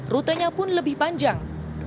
rutenya pun lebih panjang